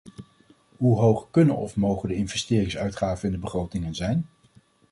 Hoe hoog kunnen of mogen de investeringsuitgaven in de begrotingen zijn?